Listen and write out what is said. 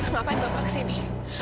ngapain bapak kesini